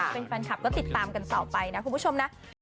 เป็นแฟนคลับก็ติดตามกันต่อไปนะคุณผู้ชมนะ